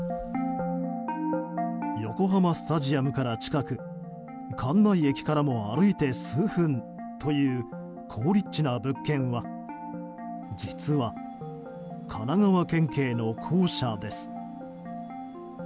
横浜スタジアムから近く関内駅からも歩いて数分という好立地な物件は実は神奈川県警の公舎です。